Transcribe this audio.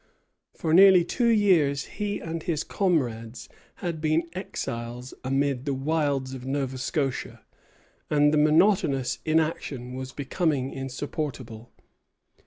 For nearly two years he and his comrades had been exiles amid the wilds of Nova Scotia, and the monotonous inaction was becoming insupportable.